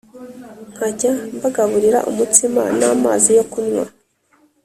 nkajya mbagaburira umutsima n’amazi yo kunywa?